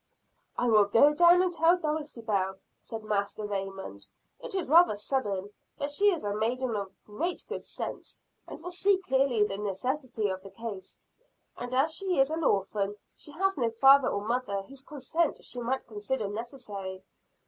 "I will go down and tell Dulcibel," said Master Raymond. "It is rather sudden, but she is a maiden of great good sense, and will see clearly the necessity of the case. And as she is an orphan, she has no father or mother whose consent she might consider necessary.